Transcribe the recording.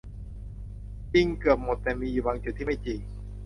จริงเกือบหมดแต่มีอยู่บางจุดที่ไม่จริง